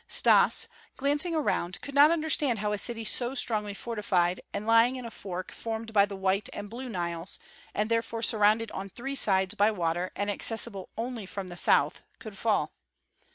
Stas, gazing around, could not understand how a city so strongly fortified, and lying in a fork formed by the White and Blue Niles, and therefore surrounded on three sides by water and accessible only from the south, could fall.